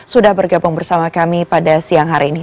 sudah bergabung bersama kami pada siang hari ini